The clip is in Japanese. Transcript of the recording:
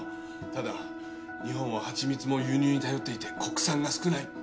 ただ日本は蜂蜜も輸入に頼っていて国産が少ない。